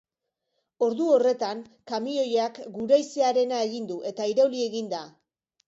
Ordu horretan, kamioiak guraizearena egin du, eta irauli egin da.